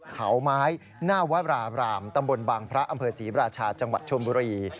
เขาไม้หน้าวราบรามตำบลบางพระอำเภอศรีราชาจังหวัดชนบุรี